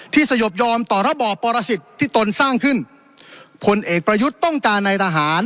สยบยอมต่อระบอบปรสิทธิ์ที่ตนสร้างขึ้นผลเอกประยุทธ์ต้องการในทหาร